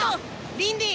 リンディ！